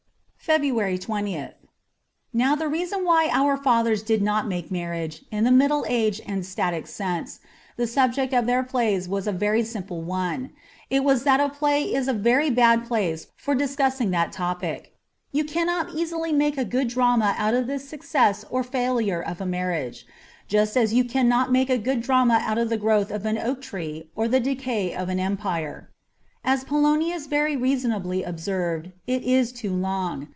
'' 55 FEBRUARY 20th NOW the reason why our fathers did not make marriage, in the middle aged and static sense, the subject of their plays was a very simple one ; it was that a play is a very bad place for discussing that topic. You cannot easily make a good drama out of the success or failure of a marriage, just as you could not make a good drama out of the growth of an oak tree or the decay of an empire. As Polonius very reasonably observed, it is too long.